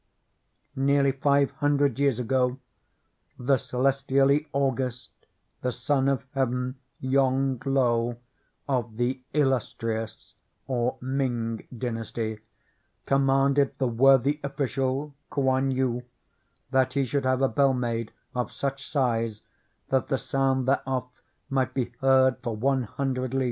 Nearly five hundred years ago the Celestially Au gust, the Son of Heaven, Yong Lo, of the "Illustri ous," or Ming, Dynasty, commanded the worthy offi cial Kouan Yu that he should have a bell made of such size that the sound thereof might be heard for one hundred li.